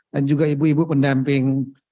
dan juga ibu ibu pendamping